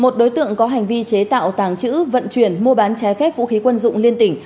một đối tượng có hành vi chế tạo tàng trữ vận chuyển mua bán trái phép vũ khí quân dụng liên tỉnh